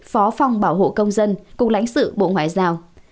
phó phòng bảo hộ công dân cùng lãnh sự bộ ngoại giao